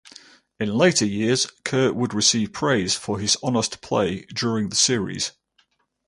In later years, Kerr would receive praise for his honest play during the Series.